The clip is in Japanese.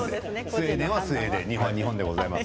スウェーデンはスウェーデン日本は日本です。